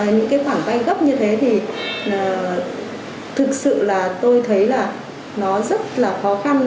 những khoản vay gấp như thế thì thực sự tôi thấy rất là khó khăn